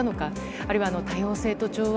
あるいは多様性と調和